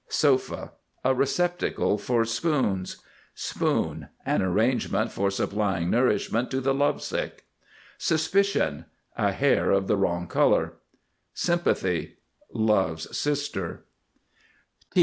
SOFA. A receptacle for spoons. SPOON. An arrangement for supplying nourishment to the lovesick. SUSPICION. A hair of the wrong color. SYMPATHY. Love's sister.